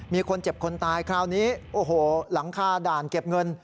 มีคนเจ็บคนตายคราวนี้โอ้โหหลังคาด่านเก็บเงิน